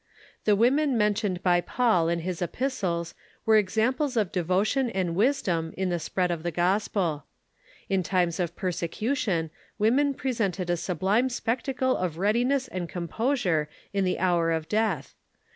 The women mentioned by I'aui in his epis tles were examples of devotion and wisdom in the spread of the gospel. In times of persecution women presented a sub lime spectacle of readiness and composure in the hour of death.